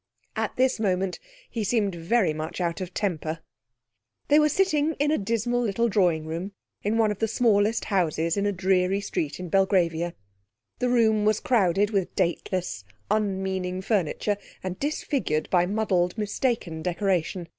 At this moment he seemed very much out of temper. They were sitting in a dismal little drawing room in one of the smallest houses in a dreary street in Belgravia. The room was crowded with dateless, unmeaning furniture, and disfigured by muddled, mistaken decoration.